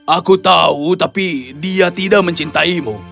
aku tahu tapi dia tidak mencintaimu